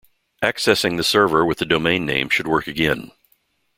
Accessing the server with the domain name should work again.